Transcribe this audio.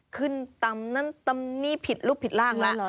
ขึ้นตำนั้นตำนี่ผิดรูปผิดร่างแล้ว